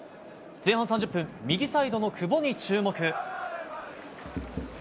前半３０分右サイドの久保に注目。